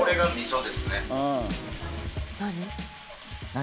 「何？」